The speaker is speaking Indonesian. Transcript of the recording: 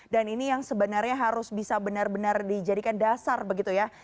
dan ini yang sebenarnya harus bisa benar benar dijadikan dasar begitu ya